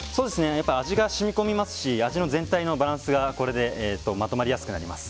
やっぱり味が染み込みますし味の全体のバランスがこれでまとまりやすくなります。